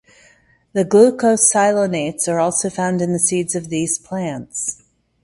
The glucosinolates are also found in the seeds of these plants.